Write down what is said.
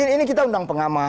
ini kita undang pengamah